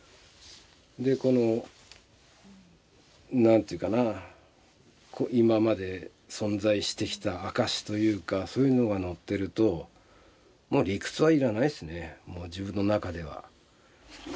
でこの何ていうかな今まで存在してきた証しというかそういうのがのってると理屈は要らないですね自分の中では。